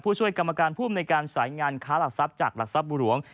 ช่วยกรรมการผู้อำนวยการสายงานค้าหลักทรัพย์จากหลักทรัพย์บุหลวง